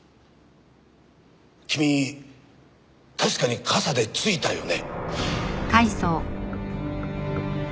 君確かに傘で突いたよね。